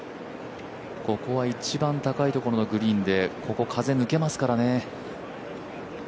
ここは一番高いところのグリーンで、ここは風が抜けますからね。